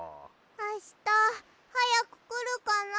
あしたはやくくるかな？